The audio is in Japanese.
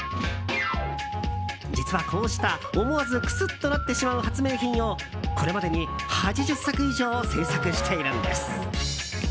実は、こうした思わずクスッとなってしまう発明品を、これまでに８０作以上製作しているんです。